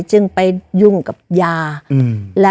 จึงไปยุ่งกับยา